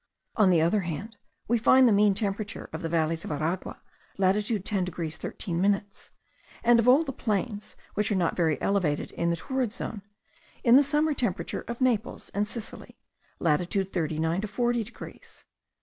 On the other hand, we find the mean temperature of the valleys of Aragua, latitude 10 degrees 13 minutes, and of all the plains which are not very elevated in the torrid zone, in the summer temperature of Naples and Sicily, latitude 39 to 40 degrees.